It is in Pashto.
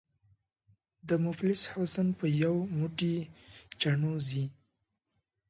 ” د مفلس حُسن په یو موټی چڼو ځي”